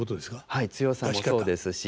はい強さもそうですし。